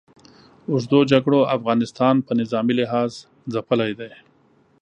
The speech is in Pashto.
اوږدو جګړو افغانستان په نظامي لحاظ ځپلی دی.